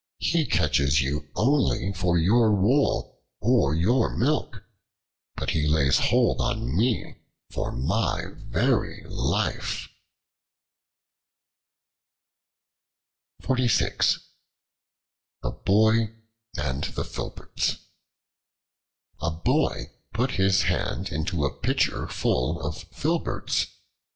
He catches you only for your wool, or your milk, but he lays hold on me for my very life." The Boy and the Filberts A BOY put his hand into a pitcher full of filberts.